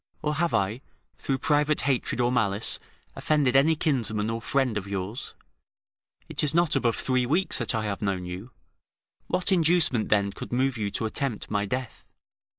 or have I, through private hatred or malice, offended any kinsman or friend of yours? It is not above three weeks that I have known you; what inducement, then, could move you to attempt my death?"